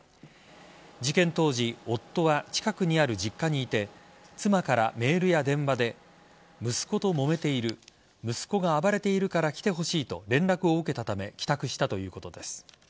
事件当時夫は近くにある実家にいて妻から、メールや電話で息子と揉めている息子が暴れているから来てほしいと連絡を受けたため帰宅したということです。